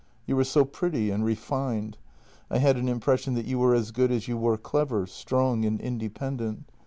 You were so pretty and refined, I had an impression that you were as good as you were clever, strong, and independent.